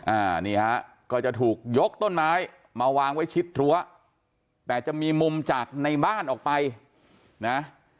อ่านี่ฮะก็จะถูกยกต้นไม้มาวางไว้ชิดรั้วแต่จะมีมุมจากในบ้านออกไปนะ